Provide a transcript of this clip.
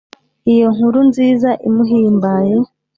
iyo nkuru nziza imuhimbaye